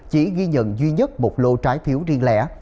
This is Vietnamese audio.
chỉ ghi nhận duy nhất một lô trái phiếu riêng lẻ